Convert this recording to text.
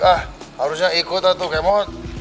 ah harusnya ikut lah tuh kemot